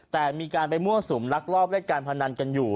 แต่มีการไปมั่วสุมลักลอบเล่นการพนันกันอยู่